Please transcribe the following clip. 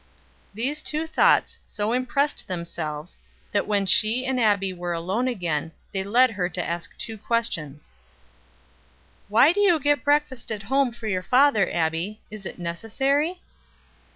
These two thoughts so impressed themselves, that when she and Abbie were alone again, they led her to ask two questions: "Why do you get breakfast at home for your father, Abbie? Is it necessary?"